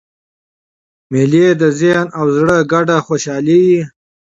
مېلې د ذهن او زړه ګډه خوشحاله يي.